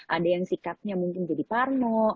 ada yang sikapnya mungkin jadi parno